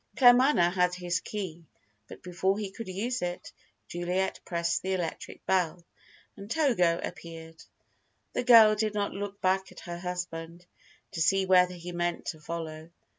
Claremanagh had his key, but before he could use it Juliet pressed the electric bell, and Togo appeared. The girl did not look back at her husband, to see whether he meant to follow.